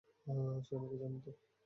সে আমাকে জানত।